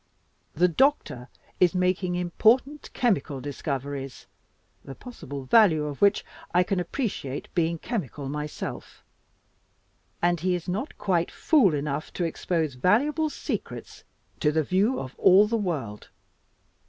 The doctor is making important chemical discoveries (the possible value of which I can appreciate, being chemical myself), and he is not quite fool enough to expose valuable secrets to the view of all the world.